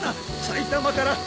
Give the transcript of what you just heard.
埼玉から。